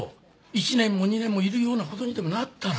１年も２年もいるような事にでもなったら。